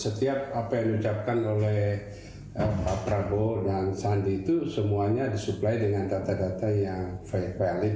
setiap apa yang diucapkan oleh pak prabowo dan sandi itu semuanya disuplai dengan data data yang valid